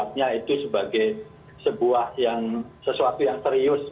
artinya itu sebagai sesuatu yang serius